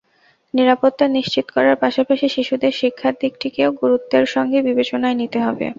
নিরাপত্তা নিশ্চিত করার পাশাপাশি শিশুদের শিক্ষার দিকটিকেও গুরুত্বের সঙ্গে বিবেচনায় নিতে হবে।